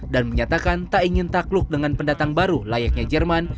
dan menyatakan tak ingin takluk dengan pendatang baru layaknya jerman